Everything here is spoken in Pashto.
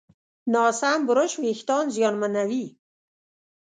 ناسم برش وېښتيان زیانمنوي.